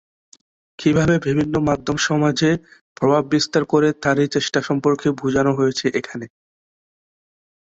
কিভাবে বিভিন্ন মাধ্যম সমাজে প্রভাববিস্তার করে তারই চেষ্টা সম্পর্কে বুঝানো হয়েছে এখানে।